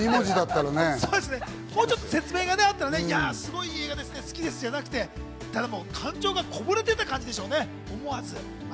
もうちょっと説明があったら、すごいいい映画ですね、好きですじゃなくてね、感情がこぼれ出た感じでしょうね。